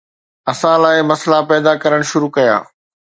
اسان لاءِ مسئلا پيدا ڪرڻ شروع ڪيا